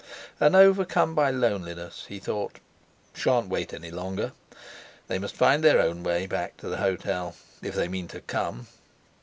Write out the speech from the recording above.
And overcome by loneliness he thought: 'Shan't wait any longer! They must find their own way back to the hotel—if they mean to come!'